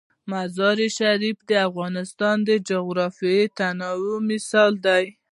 مزارشریف د افغانستان د جغرافیوي تنوع مثال دی.